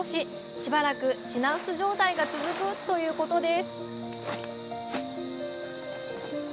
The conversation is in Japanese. しばらく品薄状態が続くということです